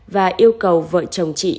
và yêu cầu vợ chồng chị